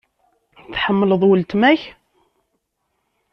Tḥemmleḍ weltma-k?